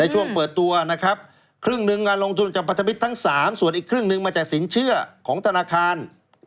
หมดอย่างอีกครึ่งหนึ่งมาจากสินเชื่อของธนาคาร